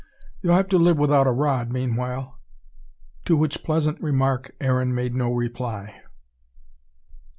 "You'll have to live without a rod, meanwhile." To which pleasant remark Aaron made no reply.